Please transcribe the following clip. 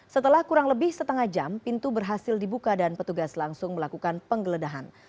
setelah kurang lebih setengah jam pintu berhasil dibuka dan petugas langsung melakukan penggeledahan